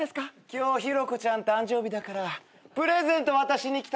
今日ヒロコちゃん誕生日だからプレゼント渡しにきたんだ。